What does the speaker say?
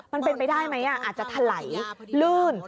มันเป็นไปได้ไหมอาจจะถลายลื่น